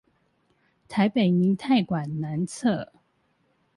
臺大凝態館南側